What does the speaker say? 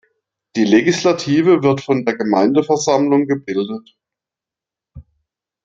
Die Legislative wird von der Gemeindeversammlung gebildet.